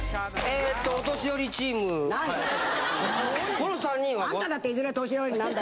この３人が。